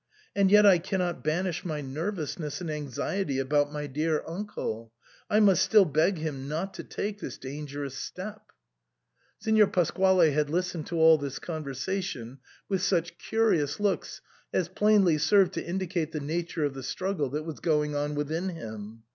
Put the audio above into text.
And yet I cannot banish my nervousness and anxiety about my dear uncle ; I must still beg him not to take this dangerous step." SIGNOR FORMICA. 137 Signer Pasquale had listened to all this conversation with such curious looks as plainly served to indicate the nature of the struggle that was going on within him.